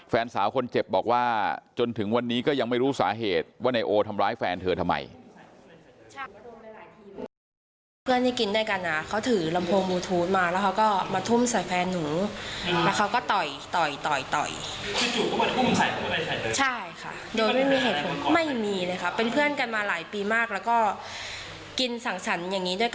แฟนสาวคนเจ็บบอกว่าจนถึงวันนี้ก็ยังไม่รู้สาเหตุว่านายโอทำร้ายแฟนเธอทำไม